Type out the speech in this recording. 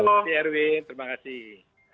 terima kasih erwin terima kasih